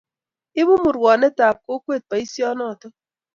ibu murwonetab kokwet bolsenoto